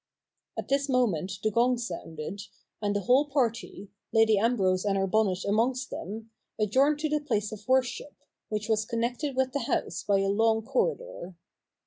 At this moment the gong sounded, and the whole party. Lady Ambrose and her bonnet amongst them, adjourned to the place of worship, which was connected with the house by a long corridor.